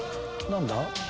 何だ？